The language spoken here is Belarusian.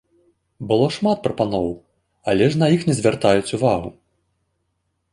Было шмат прапаноў, але ж на іх не звяртаюць увагу.